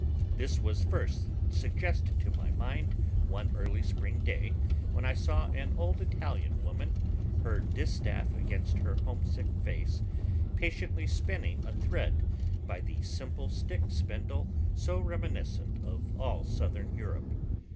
This was first suggested to my mind one early spring day when I saw an old Italian woman, her distaff against her homesick face, patiently spinning a thread by the simple stick spindle so reminiscent of all southern Europe.